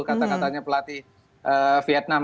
kata katanya pelatih vietnam